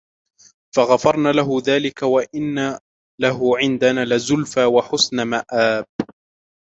فَغَفَرْنَا لَهُ ذَلِكَ وَإِنَّ لَهُ عِنْدَنَا لَزُلْفَى وَحُسْنَ مَآبٍ